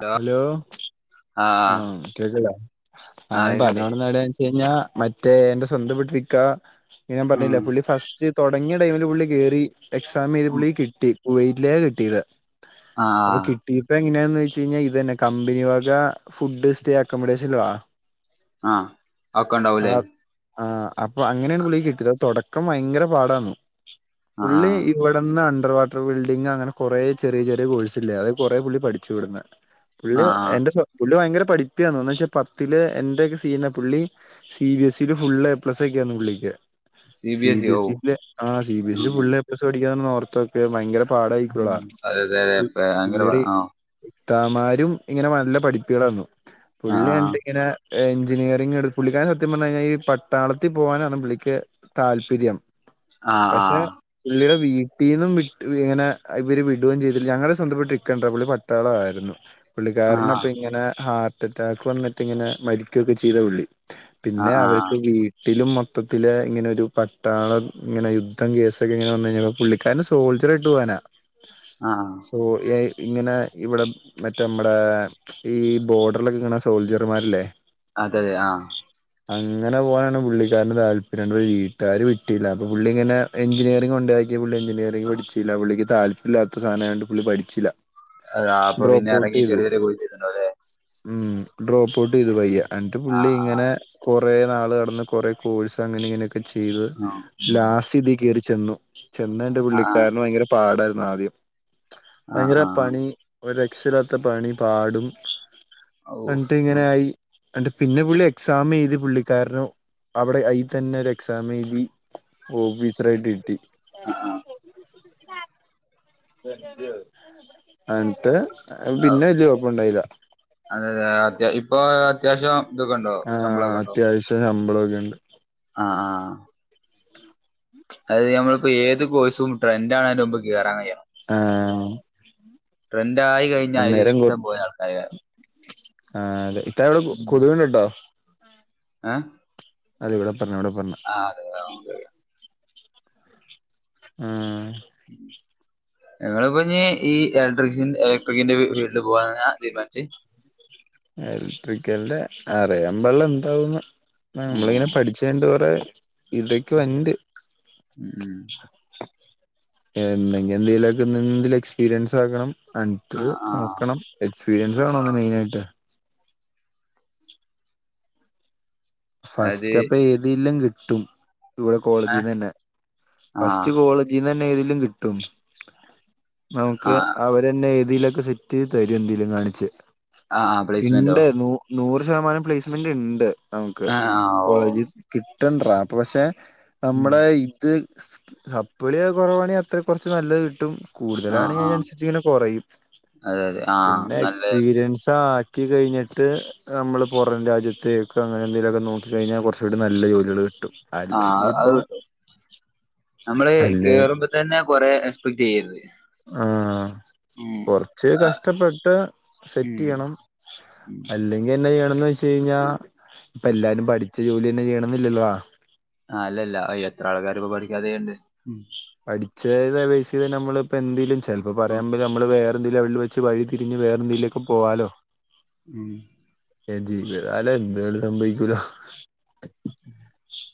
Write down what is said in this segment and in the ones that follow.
Hello hello ആഹ് കേക്കുണ്ടോ ആഹ് ഞാൻ പറഞ്ഞൂകൊടന്നെവിടെ വെച്ച് കഴി ഞ്ഞാ മ റ്റേ എന്റെ സ്വന്തം വീട്ടിലിക്ക ഞാൻ ഉം പറഞ്ഞില്ലേ പുള്ളി ഫസ്റ്റ് തൊടങ്ങിയ ടൈമില് പുള്ളി കെറി. എക്സാം ചെയ്ത് പുള്ളിക്ക് കിട്ടി കുവൈറ്റിലാ കിട്ടിയത് അപ്പൊ ആഹ് കിട്ട് ഇതിപ്പെങ്ങനെയാന്നെച്ചയിഞ്ഞാ ഇതന്നെ കമ്പനി വക ഫുഡ് സ്റ്റേ അക്കോമഡേഷൻല്ല ആഹ് ആഹ് അതൊക്ക്‌ണ്ടാവൂല്ലേ ആഹ് അപ്പൊ അങ്ങനെയാണ് പുള്ളിക്ക്‌ കിട്ടിയത് അപ്പൊ തൊടക്കം ഭയങ്കര പാടാന്നു ആഹ് പുള്ളി ഇവ ഇവിടന്ന് അണ്ടർ വാട്ടർ ബിൽഡിങ് അങ്ങനെ കൊറേ ചെറിയ ചെറിയ കോഴ്സില്ലേ അത് കുറേ പുള്ളി പഠിച്ചുവിട്ന്ന് പുള്ളി ആഹ് ആഹ് എന്റെ പുള്ളി ഭയങ്കര പഠപ്പിയാന്ന് എന്ന്ച്ചാ പത്തില്ല് എന്റെക്കെ സീന് പുള്ളി സി ബി എസില് ഫുള്ളെ എപ്ലസൊക്കെയാന്ന് പുള്ളിക്ക് സി എസ് ഇ ബി ഓഹ് എസില് ആഹ് സി ബി എസ്സില് ഉം ഫുള്ളെ പ്ലസ് വേടിക്കാന്ന് ഓർത്തോ ഭയങ്കര പാടായിരിക്കൂലെടാ അതെ അതെ അതെ ഭയങ്കര [unintelligible] ആഹ് ഇത്താമാരും ഇങ്ങനെ നല്ല പഠിപ്പികളായിരുന്നു ആഹ് പുള്ളിയെന്നിട്ടിങ്ങനെ എഞ്ചിനീയറിങ്ങെടു പുള്ളിക്കാരന് സത്യം പറഞ്ഞ്കഴിഞ്ഞാൽ ഈ പട്ടാളത്തി പോകാനാണ് പുള്ളിക്ക് താല്പര്യം ആഹ് പക്ഷെ ആഹ് പുള്ളിടെ വീട്ടീന്നും വി ഇങ്ങനെ ഇവര് വിട്ഉം ചെയ്തില്ല ഞങ്ങടെ സ്വന്തത്തിപ്പെട്ടൊരിക്കയാണ്ട്ട്ടാ പുള്ളി പ ട്ടാളായിരുന്നു ആഹ് പുള്ളിക്കാരനപ്പിങ്ങനെ ഹാർട്ടറ്റാക്ക് വന്നിട്ടിങ്ങനെ മരിക്കൊക്കെ ചെയ്താ പുള്ളി പിന്നെ ആഹ് അവര്ക്ക് വീ ട്ടിലും മൊത്തത്തില് ഇങ്ങനൊരു പട്ടാളം ഇങ്ങനെ യുദ്ധം കേസൊക്കെങ്ങനെ വന്നു കഴിഞ്ഞാ പുള്ളി ക്കാരന് സോൾജറായ്ട്ട് പോവാനാ ആഹ് സോ ഏഐ ഇങ്ങനെ ഇവിടെ മറ്റേ മ്മടേ ഈ ബോർഡറിലൊക്കെ നിക്ക്‌ണ സോൾജർമാരില്ലേ അതേതെ ആഹ് അങ്ങനെ പോകാനാണ് പുള്ളിക്കാരന് താല്പര്യം വീട്ട്കാര് വിട്ടില്ല അപ്പൊ പുള്ളിങ്ങനെ എഞ്ചിനീയറിങ്ങിനൊണ്ടാക്കി പുള്ളി എഞ്ചിനീയറിംഗ് പഠിച്ചില്ല പുള്ളിക്ക് താല്പര്യില്ലാത്ത സാനായോണ്ട് പുള്ളി പഠിച്ചില്ല ആ അപ്പൊ പിന്നെ ഡ്രോപ്പ് ഔട്ട് ഇറങ്ങി ചെയ്തു ചെറിയൊരു കോഴ്സെയ്തിട്ടുണ്ടാവുല്ലേ ഉം ഡ്രോപ്പൗട്ടെയ്തു പയ്യെ എന്നിട്ട് പുള്ളി ആഹ് ഇങ്ങനെ കൊറേ നാള് കടന്ന് കൊറേ കോഴ്സ് അങ്ങനിങ്ങനെയൊക്കെ ക്കെചെയ്ത് ആഹ് ലാസ്റ്റിതികേറിച്ചെന്നു ചെന്നയിന്റെ ആഹ് പുള്ളിക്കാരന് ഭയങ്കര പാടായിരുന്നാദ്യം ഭയങ്കര ആഹ് ആഹ് പണി ഒരു രക്ഷയില്ലാത്ത പണി പാടും ഓഹ് എന്നിട്ട്ങ്ങനായി എന്നിട്ട് പിന്നെ പുള്ളി എക്സാമെഴുതി പുള്ളിക്കാരനു അവിടെ അയിതന്നൊരെക്സാമെഴുതി ഓഫീസറായിട്ട് കിട്ടി ആഹ് എന്നിട്ട് പിന്നെ വല്ല്യ കൊയപ്പണ്ടായില്ല അതെതെ അത്യാ ഇപ്പൊ അത്യാവശ്യം ഇതൊക്ക്ണ്ടോ ശമ്പളൊക്കണ്ടോ ട്ട് ശമ്പളൊക്കെണ്ട് ആഹ് ആഹ് അതായത് നമ്മളിപ്പേത് കോഴ്സും ട്രന്റാക്ണയിന്റെമുമ്പ് കേറാൻ കയ്യണം ആഹ് ട്രെന്റായി കഴിഞ്ഞാ അയിലിഷ്ടംപോലാൾക്കാര് കേറും ആഹ് അതെ ഇത്താ അവിടെ കൊത്ക് കള്ണ്ടോ ഏഹ് അതിവിടെ പറഞ്ഞാ ഇവിടെപ്പറഞ്ഞാ ആഹ് അതെതെ ഓക്കേ ഓക്കേ ഉം. ഏഹ് ഇങ്ങളിപ്പഞ്ഞീ ഈ ഇലക്ട്രിഷൻ ഇലക്ട്രിക്കിന്റെ ഫീൽടിൽ പോവാനാ തീരുമാനിച്ച് എലക്ട്രിക്കൽന്റെ അറിയാമ്പാടില്ലെന്താവുന്ന് നമ്മളിങ്ങനെ ഉം പഠിച്ചയിന്റെ കൊറേ ഇതൊക്കെ വന്റ് ഉം ഉം എന്തെങ്ക എന്തെലൊക്കെനിന്നിതില് എക്സ്പീരിയൻസാക്കണം അന്ന്ട്ട് ആഹ് നോക്കണം ആഹ് എക്സ്പീരിയൻസ് വേണോന്ന് ആഹ് മെയിനായിട്ട് അത് ഫസ്റ്റപ്പേതേലും കിട്ടും ഇവിടെ ഏഹ് കോളേജ്ന്നെന്നെ ആഹ് ഫസ്റ്റ് കോള് ജിന്നേതേലും കിട്ടും നമുക്ക് ആഹ് അവര് രന്നേതേലൊക്കെസെറ്റെയ്ത് തരും എന്തെലും കാണിച്ച് ആഹ് പ്ലേസ്മെന്റോ ഇണ്ട് നൂ നൂറ് ശതമാനം പ്ലേസ്മെന്റ്ണ്ട് നമ്ക്ക് ഏഹ് ആഹ് ഓ കോളേജി കിട്ടണ്ട്രാപൊ പക്ഷേ ഉം നമ്മുടെ ഇ ത് സപ്പളി കുറവാണെങ്കില് അത്ര കുറച്ച് നല്ലത് കിട്ടും ആഹ് കൂടുതലാണെങ്കി ആഹ് അതിനനുസരിച്ച് ഇങ്ങനെ കുറയും അതെ അതെ ആഹ് പിന്നെ നല്ല എക്സ്പീരിയൻസ് ആറ്റികയ്ഞ്ഞിട്ട് നമ്മള് പൊറം രാജ്യത്ത് ക്കഅങ്ങനന്തങ്കിലൊക്ക നോക്കി കഴിഞ്ഞാ കൊർച്ചൂടെ നല്ല ജോല്യാള് കിട്ടും അല്ലെങ്കിൽ ആഹ് അത് ഇപ്പൊ കിട്ടും നമ്മള് അല്ലേ കേറുമ്പ തന്നെ കൊറെ എക്സ്പെക്ട് ചെയ്യരുത് ആഹ് ഉം കൊർച്ച് ആഹ് കഷ്ടപ്പെട്ട് ഉം സെറ്റിയ്യണം ഉം അല്ലെ എങ്കന്നെ ചെയ്യണംന്ന് വെച്ച് കഴിഞ്ഞാ ഇപ്പ ഉം എല്ലാരും പഠിച്ച ജോലി തന്നെ ചെയ്യണമിന്നില്ലല്ലോ ആഹ് ആ അല്ലല്ല എത്ര ആൾക്കാര്പ്പൊ പഠിക്കാതെയ്യ്ണ്ട് പഠിച്ചേതാ പെയ്സി നമ്മളിപ്പന്തെലും ചെൽപ്പോ പറയാൻ പ നമ്മള് വേറെന്തേലും ലവൽല്ല് വെച്ച് വഴിതിരിഞ്ഞ് വേറെന്തീലൊക്കെ പോവാലോ [inaudible] ഏ ജീ പ്അലഎന്തട് സംഭവിക്കൂല [inaudible]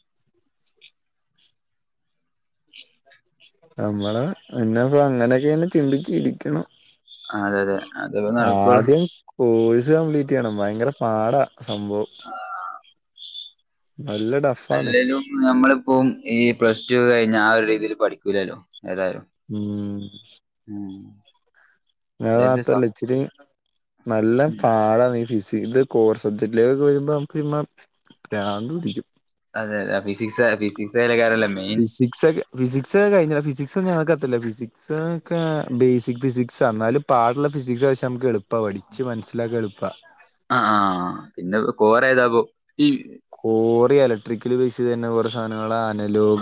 നമ്മള് പിന്നെപ്പൊ അങ്ങനെയൊക്കെെ ചിന്തിച്ച് ഇരിക്കണം ആ, അതെ അതെ അതൊക്കെ നടക്കുള്ളൂ ആദ്യം കോഴ്സ് കംപ്ലീറ്റ് ചെയ്യണം ഭയങ്കര പാടാ സംഭവം ആ, അല്ലടാ അല്ലലും നമ്മളിപ്പോം ഈ പ്ലസ് ടു കഴിഞ്ഞ ആ ഒരു രീതിൽ പഠിക്കൂില്ലല്ലോ ഏതാലും ഊം [inaudible] ഏത് നേവാത്തല്ല സബ് ഇച്ചിരി നല്ല ഉം പാട നീ ഫിസിട് കോർ സബ്ജക്റ്റിലയ്ക്കെ വരുമ്പോ ഇമബ ബ്രാത്ന്പിടിക്കും അതെ അതെ ഫിസിക്സ് ഫിസിക്സ്െ കയല്ലേ മെയ്ൻ സക് ഫിസിക്സ് കഴിഞ്ഞ ഫിസിക്സ് ഞങ്ങൾക്ക്ത്തില്ല ഫിസിക്സ് ഒക്കെ ബേസിക് ഫിസിക്സ ന്നാലും പാടുള്ള ഫിസിക്സ് ആശം നമുക്ക് എളുപ്പ പഠച്ച് മനസ്സിലാക്കി എളുപ്പാ ആ ആഹ് പിന്നെ കോറെ ഏതാപ്പോ ഈ കോറി ഇലക്ട്രിക്കൽ ബേസി തന്നെ കൊറെേ സാധനങ്ങള്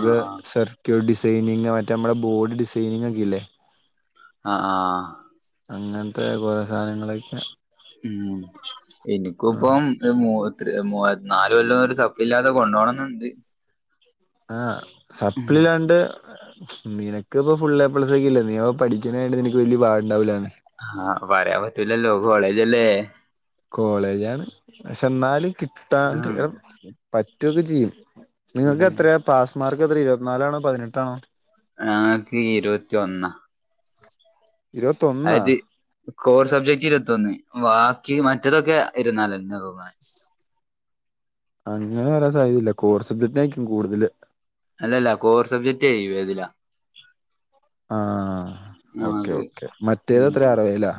ആ സർക്യൂട്ട് ഡിസ് ഡൈനിങ് മറ്റേ നമ്മുടെ ബോഡി ഡിസൈനിങ് ഒക്കെ ഇല്ലേ ആഹ് ആഹ് അങ്ങനത്തെ കൊറെേ സാധനങ്ങളൊക്കെ ഉം ഇനിക്ക്പ്പോ ആഹ് മുവ്മുവായിരത്തിനാല് കൊല്ലം ഒരു സബ് ഇല്ലാതെ കൊണ്ടോണംന്നുണ്ട് ആഹ് ഉം സപ്പ്ലലാണ്ട് നിനക്ക് പ്പൊ ഫുള് എ പ്ലസ്സ ഒക്കല്ലേ നീ പഠിക്കാന്നെഎനിക്ക് വലിയ ബാവടണ്ടാവൂല്ലാണന്ന ആഹ് പറാൻ പറ്റൂലല്ലോ കോളേജല്ലേ കോളേജാണ് പക്ഷെ ന്നാലും കിട്ടാണ്ട് ഉം ഒ പറ്റുക്കെ ചെയ്യും നിങ്ങൾക്ക് ഉം എത്രയാ പാസ് മാർക്ക് എത്ര ഇരുപത്തിനാലാണോ പതിനെട്ടാണോ ഞങ്ങക്ക് ഇരുപത്തി ഒന്ന [inaudible] അയത് കോർ സബ്ജക്ട് ഇരുപത്തൊന്ന് ബാക്കി മറ്റതൊക്കെ ഇരുപതിന്നാലെന്നെതോന്ന്ണ അങ്ങനെ വരാൻ സാധ്യതയില്ല കോർ സബ്ജക്ട് ആയിരിക്കും കൂടുതല് അല്ലല്ല കോർ സബ്ജക്റ്റ് വേദിലാ ആ ഓക്കെ ഞങ്ങക്ക് ഓക്കെ മറ്റേത് അത്ര അറവേല്ല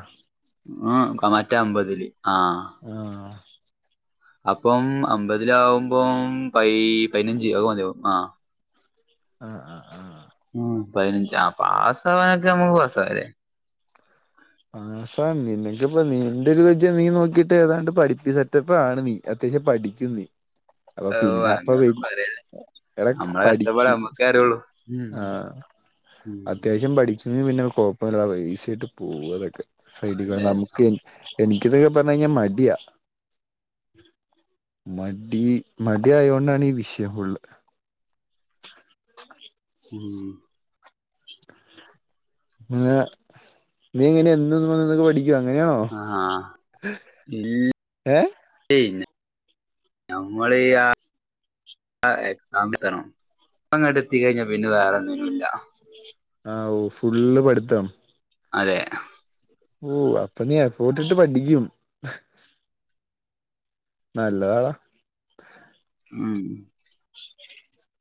ഉം മറ്റേ അമ്പതില് ആഹ് ആഹ് അപ്പം അമ്പതിലാകുമ്പോം പൈ പൈനഞ്ച് അത് മതിയാവും ആഹ് [inaudible] ഉം പൈനഞ്ച് ആ പാസവാനൊക്കെ നമൾ പാസാവുല്ലേ? [unintelligible] അപ്പ നിനക്കിപ്പ നി നിന്റെ രു വിജ നീ നോക്കിയിട്ട് ഏതാണ്ട് പഠിപ്പി സെറ്റപ്പ് ആണ് നീ അത്യാശ്യം പഠിക്കും നീ. അപ്പൊ [inaudible] ഓഹ് പിന്നെ അപ്പൊ അങ്ങന ഒന്നും പറയല്ലേ എടാ നമ്മള കഷ്ടപ്പാട് പഠിക്ക് നമ്മക്ക അറിയാള്ളു. ആഹ് അത്യാവശ്യം [inaudible] അതെ അതെ. [unintelligible] എനിക്കിത് പറഞ്ഞഴിഞ്ഞാൽ മടിയാ. മടി മടി ആയോണ്ടാണ് ഈ വിഷയം ഫുൾ. [unintelligible] ഉം [unintelligible] അങ്ങനെയാ ണോ ആഹ് ഏ ഏയ് നമ്മൾ ആ ആഹ് എക്സാം എയ്തണം അങ്ങട്ട് എത്തി കഴിഞ്ഞാ പിന്നെ വേറൊന്നിനും ഇല്ല ആഹ് ഊ ഫുള്ള് പഠ്ത്തം അതെ ഓ അപ്പൊ നീ എഫോട്ട്ട്ട് പഠിക്കും നല്ലതാട ഉം [unintelligible]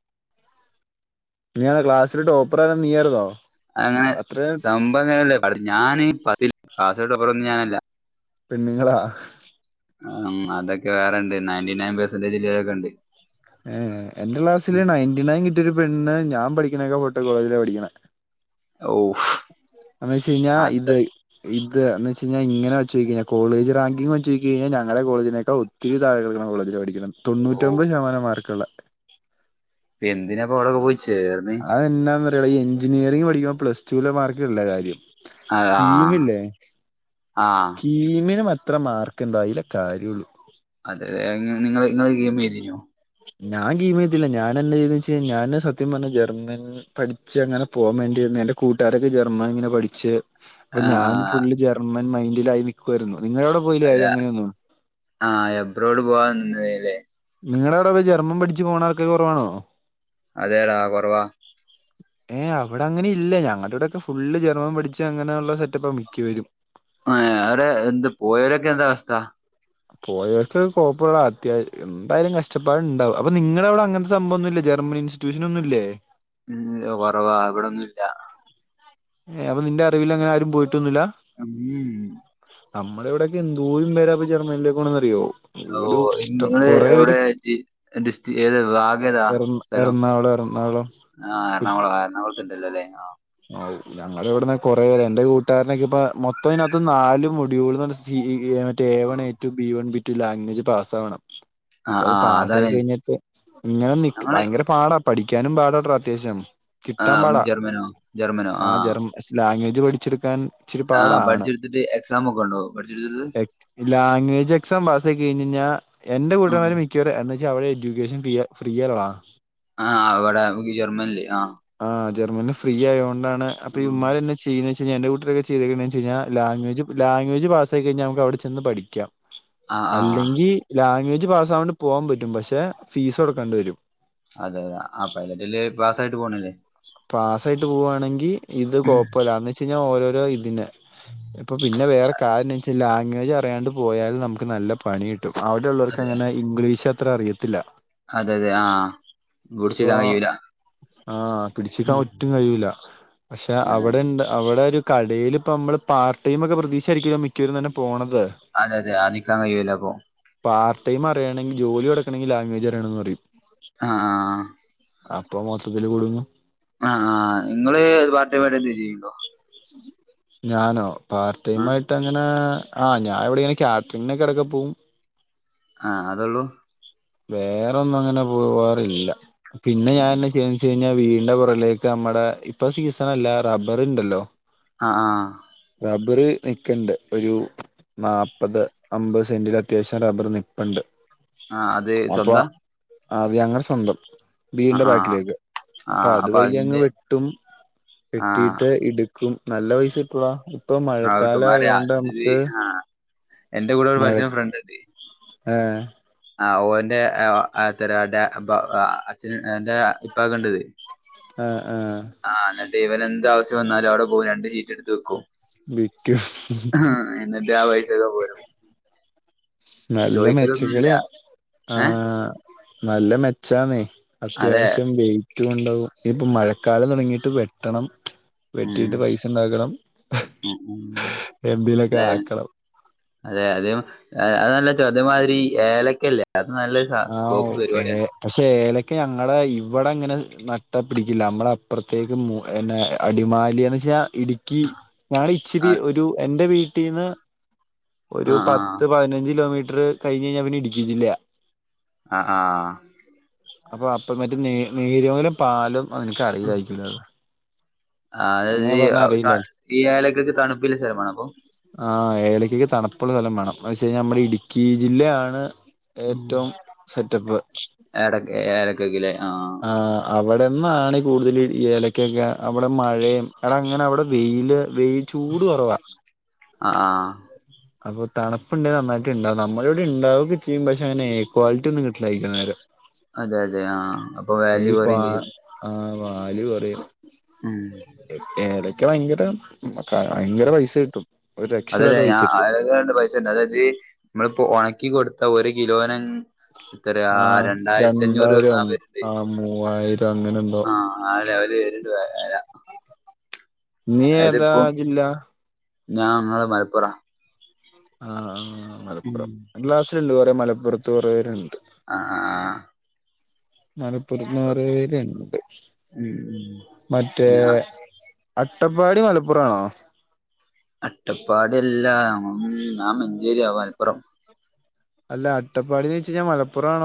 നീയാണോ ക്ലാസ്സില് ടോപ്പറ് നീയായ്രുന്നോ? [unintelligible] പെണ്ണ്ങ്ങളാ ആഹ് ഉം അതൊക്കെ വേറെണ്ട് നയന്റി നയൻ പെർസെന്റേജ്ല്ലോലെക്കെ ഇണ്ട്. ഏഹ് ഏഹ് എന്റെ ക്ലാസില് നയന്റി നയൻ കിട്ടിയൊരു പെണ്ണ് ഞാൻ പഠിക്ണേക്കെ [unintelligible] കോളേജിലാ പഠിക്ക്ണെ ഔ എന്നോയ്ച്ച് കഴിഞ്ഞാ ഇത് ഇത് എന്ന് വെച്ചഴിഞ്ഞാ ഇങ്ങനെ [unintelligible] കോളേജ്റാങ്കിങ് വച്ച് ക്കഴിഞ്ഞാ ഞങ്ങളെ കോളേജിനെക്കാ ഒ [unintelligible] കോളേജിലാ പഠിക്ണം ഓ തൊണ്ണൂറ്റി ഒമ്പത് ശതമാനം മാർക്ക്ള്ളെ എന്തിനാ പ്പ ഔടെ പോയി ചേർന്നെ അതെന്നാ അറിയോ ഈ എഞ്ചിനീയറിഗ് പഠിക്കാം പ്ലസ്ടു ലെ മാർക്കല്ല കാര്യം ആ കീമ് ല്ലേ ആ കീമിന് മത്ര മാർ ണ്ടോ അയ്ലെ കാര്യള്ളൂ അല്ല നിങ്ങള് ഇഎമ്മെ എഴുതിനോ? ഞാൻ കീമോയ്തില്ല ഞാൻ എന്നാ ചെയ്തോയ്ച്ച് കഴിഞ്ഞാ ഞാന് സത്യം പറഞ്ഞ ജർമൻ പഠിച്ച് അങ്ങനെ പോമന്റ് [unintelligible] എന്റെ കൂട്ടുകാരൊക്കെ ജർമ്മ ഇങ്ങനെ പഠിച്ച് അപ്പൊ ആ ആ ഞാൻ ഫുള്ള് ജർമ്മൻ മൈന്റിലായി നിക്കുവായിരുന്നു നിങ്ങളെ ഔടെ പോയില്ലെ ആരും അങ്ങനൊന്നും ആഹ് എബ്രോഡ് പോവാ നിന്നതെലെ? നിങ്ങൾടെ അവിടെ ഒക്കെ ജർമ്മൻ പടിച്ച് പോണ ആൾക്കാര് കോറവാണോ? അതെ ടാ കോറവാ ഏഹ് അവിടെ അങ്ങനെ ഇല്ലെ ഞങ്ങളെ ഇവിടൊക്കെ ഫുള്ള് ജർമ്മൻ പഠിച്ച അങ്ങനെയുള്ള സെറ്റപ്പ മിക്ക വരും ഏഹ് അവരെ എന്ത്‌ പോയവരൊക്കെ എന്താ അവസ്ഥ? പോയവർക്കൊക്കെ കോഴപ്പല്ല ടാ അത്യാവശ്യം എന്തായാലും കഷ്ടപാട് ഇണ്ടാവും അപ്പൊ നിങ്ങളെ അവിടെ അങ്ങൻത്തെ സംഭവൊന്നുല്ല ജർമ്മൻ ഇൻസ്റ്റിറ്റ്യൂഷൻ ഒന്നുല്ലേ? ഉം കോറവാ ഇവിടൊന്നുല്ല ഏഹ് അപ്പ നിന്റെ അറിവില് അങ്ങനെ ആരും പോയിട്ടൊന്നുല്ല. [unintelligible] നമ്മടെ ഇവിടെയൊക്കെ എന്തോരും പേരാണ് ജർമ്മനിലേക്ക് പോണെന്നറിയോ? ഓ നിങ്ങള് എവിടെ ജി [unintelligible] ഡിസ്ട്രി ഏത് ഭാഗം എറണാകുളം, എറണാകുളം ആഹ് എർണാകുളം എർണാകുളത്തുണ്ടല്ലോ ല്ലേ ആഹ് ആഹ് ഊ ഞങ്ങള് ഇവട്ന്ന് കോറെ എന്റെ കൂട്ടുകാരനൊക്കെ പ്പ മൊത്തം അയ്നകത്ത് നാല് മുടിവുള് [unintelligible] റ്റേവൺ എറ്റു ബി വൺ ബിറ്റു ലാഗേജ് പാസ്സാവണം ആ അപ്പൊ ആ അത് പാസ്സായി അതാണ് കഴിഞ്ഞ ഇങ്ങനെ നിക് ഞങ്ങള് ഭയങ്കര പാടാ പഠിക്കാനും പാടാ ട്ടോ അത്യാവശ്യം ആഹ് ജർമ്മനോ ജർമ്മനോ ആ ആഹ് ജർമ്മ ലാഗേജ് പഠിച്ചെടുക്കാൻ ഇച്ചിരി ആഹ് പാടാണ് പഠിച്ചെട്ത്തിട്ട് എക്സാമോക്കെ ഉണ്ടോ പഠ്ച്ച് ഇട്ത്തിട്ട് ലാഗെജ് എക്സാം പാസ്സായി കഴിഞ്ഞയ്ഞാ എന്റെ ഉം. കൂട്ടന്മാര് മി മിക്കരും എന്തെച്ചാ അവിടെ എജുകേഷൻ ഫ്രീ അല്ലടാ ആഹ് അവ്ടെ ജർമ്മൻ ല്ല് ആഹ് ആഹ് ജർമ്മൻല്ല് ഫ്രീ ആയൊണ്ടാണ് അപ്പ ഉം. ഇവൻമാരെന്നെ ചെയ്യന്ന് വെച്ചയ്ഞ്ഞാ എന്റെ കുട്ടര് ചൈയ്ത്ക്ണ് ഓയ്ച്ചയ്ഞാ ലാഗേജ് ലാഗേജ് പാസ്സായി കഴിഞ്ഞാ നമുക്ക് അവിടെ ചെന്ന് പഠിക്കാ ആ ആ ആ. അല്ലെങ്കിൽ ലാഗ്വേജ് പാസ് ആവാണ്ട് പോകാൻ പറ്റും പക്ഷെ ഫീസ് കൊടുക്കേണ്ടി വരും അതെ അതെ അപ്പ അതിനെട്ടി നല്ലേ പാസായിട്ട് പോണയല്ലെ പാസ് ആയിട്ട് പോവുകവാണെങ്കിൽ ഇത് കൊഴപ്പമില്ല എന്ന് വെച്ച് കഴിഞ്ഞ ഓരോരോ ഇതിന് ഇപ്പൊ പിന്നെ വേറെ കാര്യം എന്ത്വെച്ചാൽ ലാംഗ്വേജ് അറിയാണ്ട് പോയാൽ നമുക്ക് നല്ല പണി കി ട്ടും അവിടെ ഉള്ളവർക്ക് അതെ അങ്ങനെ ഇംഗ്ലീഷ് അത്ര അറിയത്തില്ല അതെ അതെ ആഹ് പുടിച്ച് നിക്കാൻ കഴിയൂല ച്ചു നിക്കാൻ ഉം. ഒട്ടും കൈ യൂല പക്ഷെ അതെ അവിടെ അതെ അവിടെ ഒരു കടല് ഇപ്പോ നമ്മള് പാർട്ട് ടൈം ഒക്കെ പ്രതീക്ഷ ആയിരിക്കല്ലോ മിക്കവരും തന്നെ പോണത് അതെ അതെ അവിടെ നിക്കാൻ കൈയുല അപ്പൊ പാർട്ട് ടൈം അറിയാണങ്കിൽ ജോലി കൊടുക്കണങ്കിൽ ലാംഗ്വേജ് അറിയണംന്ന് പറയും ആഹ് ആഹ് അപ്പൊ മൊത്തത്തിലൽ കുടുങും ആഹ് ആഹ് നിങ്ങള് പാർട്ട് ടൈം ആയിട്ട് എന്താക്കിലും ചെയ്യുണ്ടോ ഞാനോ പാർട്ട്‌ ആ ടൈം ആയി ട്ട് അങ്ങനെ ആഹ് ഞാൻ എവിടെ ഇങ്ങനെ കാറ്ററിങ്ങിനെക്കെ ഇടക്ക് ക്കെ പോവും ആഹ് അതേള്ളൂ വേറൊന്നും അങ്ങനെ പോവാറില്ല പിന്നെ ഞാൻ വെച്ച് കഴിഞ്ഞാൽ വീടിന്റെ പുറിലേക്ക് നമ്മടെ ഇപ്പൊ സീസണല്ല റബ്ബർണ്ടല്ലോ ആഹ് ആഹ് റബ്ബർ നിക്ക്ണ്ട് ഒരു നാല്പ്പത് അമ്പത് സെന്റിൽ അത്യാവശ്യം റബ്ബർ നിപ്പുണ്ട് ആഹ് അത് സ്വന്താ ആഹ് അത് ഞങ്ങളുടെ സ്വന്തം ആഹ് വീടിന്റെ ആഹ് ബാക്കിലേക്ക് അപ്പൊ ആഹ് അത് പയ്യങ്ങ് അതിന്റെ വെട്ടും ആഹ് വെട്ടിട്ട് ഇഡി വിൽക്കും നല്ല പൈസ കിട്ടുഡാ ആഹ് അട്ട് മാറയാ അത് വി ആഹ് എന്റെ കൂടെ ഒരു മഴ പഠിച്ച ഫ്രണ്ട്ണ്ട് ആഹ് ആഹ് ഓന്റെ ആഹ് അത്തടടെ അമ്പോ അച്ഛൻ എന്റെ ഇപ്പക്ക് ഇണ്ട് ഇത് ആഹ് ആഹ് ആഹ് അന്നട്ട് ഇവന് എന്താവശ്യം വന്നാലും അവിടെ പോവും രണ്ട് സീറ്റ് ടുത്ത് വിക്കും വിക്കും ഹ എന്നിട്ട് ആഹ് പൈസൊക്കെ പോരും നല്ല ചോദിക്കലൊന്നുല്ല മെച്ചക്കളിയ ഏഹ് ആഹ് നല്ല മെച്ചന്നേ അതെ അത്യാവശ്യം വെയിറ്റ് ഉണ്ടാവും ഇപ്പ മഴ കാലം തുടങ്ങിട്ട് വെട്ടണം ഉം വെട്ടിട്ട് ഉം പൈസ ഉണ്ടാക്കണം ഉം ഉം എന്തെലും ഒക്കെ ആക്കണം അതെ അതെ അത് ചോദേ മാതിരി ഏലക്കല്ലേ അത് നല്ല ഒരു സ ആഹ് സ്കോപ്പ് ഏ പരിപാടിയാണ് പക്ഷെ ഏലക്ക ഞങ്ങളെ ഇവിടെ ഇങ്ങനെ നട്ട പിടിക്കില്ല നമ്മളെ അപ്പുറത്തേക്ക് മു പിന്നെ അടിമാലിന്ന് വെച്ചാൽ ഇടുക്കി ഞങ്ങടെ ഇച്ചിരി ആഹ് ഒരു എന്റെ വീട്ടിന്ന് ഒരു ആഹ് ആഹ് പത്ത് പതിനഞ്ച് കിലോമീറ്റർ കഴിഞ്ഞ്ഴിഞ്ഞ പിന്നെ ഇടുക്കി ജില്ലയാ അ ആഹ് അപ്പൊ അപ്പ മറ്റേ നേ നീരലും പാലും നിനക്ക് അറില്ലായിരിക്കും അല്ലോ അത് ആഹ് അങ്ങനെ പറഞ്ഞാ അതായത് അറിയില്ല ഈ ഏലക്കക്ക് തണുപ്പില് സ്ഥലമേണം അപ്പം ആഹ് ഏലക്കക്ക് തണുപ്പുള്ള സ്ഥലം വേണം എന്ന് വെച്ച് കഴിഞ്ഞാൽ നമ്മുടെ ഇടുക്കി ജില്ലയാണ് ഏറ്റവും സെറ്റപ്പ് എടക്ക് ഏലക്കക്കിലെ ആഹ് ആഹ് അവിടെന്നാണ് കൂടുതൽ ഏലക്കക്കെ അവിടെ മഴയും എടാ അങ്ങനെ അവിടെ വെയില് വെയിൽ ചൂട് കുറവാ ആ ആ അപ്പൊ തണുപ്പുണ്ടേൽ നന്നായിട്ടുണ്ടാവും നമ്മളെ ഇവിടെണ്ടാവുമൊക്കെ ചെയ്യും പക്ഷെ അങ്ങനെ ക്വാളിറ്റി ഒന്നും കിട്ടില്ലായിരിക്കും അന്നേരം അതെ അതെ ആഹ് ഏയിപ്പ ആഹ് വാല്യു കുറയും [unintelligible] ഏലക്ക ഭയങ്കര, ഭയങ്കര പൈസ കിട്ടും. ഒരു രക്ഷയില്ലാത്ത പൈസ കിട്ടും. എങ്ങനെയുണ്ട് പൈസ. [unintelligible] അതായത് നമ്മളിപ്പോ ഉണക്കി കൊടുത്ത ഒരു കിലോന. എന്തറയാ ആഹ് രണ്ടായിരത്തി അഞ്ഞൂറ് തന്ന, രണ്ടായിരം [unintelligible] ആഹ് മൂവായിരം അങ്ങനൊന്നും- ആഹ് ലവൽ കഴിഞ്ഞിട്ട് വരാ. നീ ഏതാ ജില്ല? നങ്ങൾ നമ്മളെ മലപ്പുറ ആ മലപ്പുറം എന്റെ ക്ലാസ്സിലുണ്ട്, കുറേ മലപ്പുറത്ത് കുറേ പേരുണ്ട്. ആഹ് ആഹ്! മലപ്പുറം കൊറേ പേരുണ്ട് ഉം മറ്റേ. ഞാ അട്ടപ്പാടി മലപ്പുറം ആണോ? അട്ടപ്പാടി എല്ലാ, ആഹാ മഞ്ചേരിയാ മലപ്പുറം. അല്ല അട്ടപ്പാടിന്ന് വെച്ച് കഴിഞ്ഞാൽ മലപ്പുറം ആണോ?